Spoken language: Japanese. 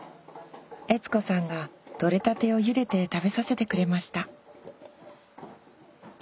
悦子さんが採れたてをゆでて食べさせてくれました